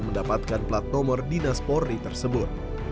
mendapatkan plat nomor dinas polri tersebut